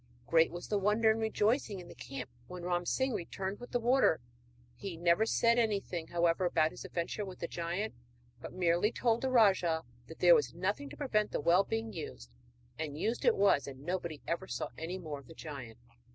Great was the wonder and rejoicing in the camp when Ram Singh returned with the water. He never said anything, however, about his adventure with the giant, but merely told the rajah that there was nothing to prevent the well being used; and used it was, and nobody ever saw any more of the giant.